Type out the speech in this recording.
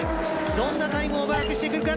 どんなタイムをマークしてくるか。